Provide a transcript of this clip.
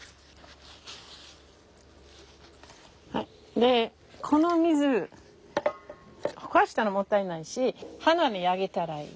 でこの水ほかしたらもったいないし花にあげたらいい。